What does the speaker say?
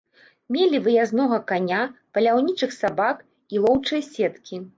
Мелі выязнога каня, паляўнічых сабак і лоўчыя сеткі.